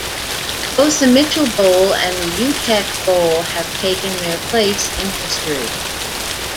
Both the Mitchell Bowl and the Uteck Bowl have taken their place in history.